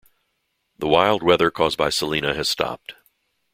The wild weather caused by Selena has stopped.